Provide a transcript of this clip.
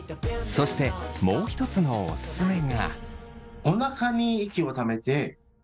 そしてもう一つのオススメが。